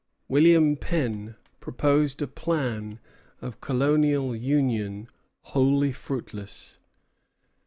William Penn proposed a plan of colonial union wholly fruitless.